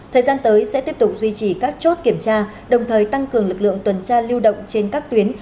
thời gian tới sẽ tiếp tục duy trì các chốt kiểm tra đồng thời tăng cường lực lượng tuần tra lưu động trên các tuyến